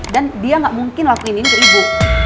dan dia nggak mungkin lakuin ini ke ibu